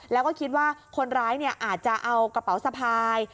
แล้วก็คิดว่าคนร้ายอาจจะเอากระเป๋าสะพาย